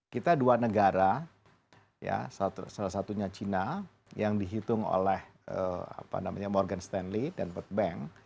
kita dua negara ya salah satunya china yang dihitung oleh apa namanya morgan stanley dan world bank